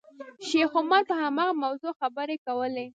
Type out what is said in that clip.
شیخ عمر پر هماغه موضوع خبرې کولې.